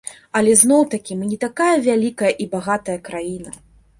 Але зноў-такі, мы не такая вялікая і багатая краіна.